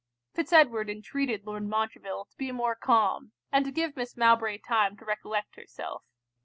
Fitz Edward intreated Lord Montreville to be more calm, and to give Miss Mowbray time to recollect herself.